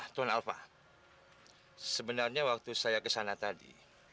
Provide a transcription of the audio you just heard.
tuan alpha sebenarnya waktu saya kesana tadi